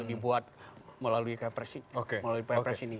yang dibuat melalui kepres ini